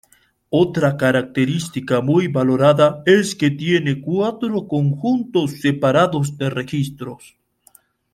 Otra característica muy valorada es que tiene cuatro conjuntos separados de registros.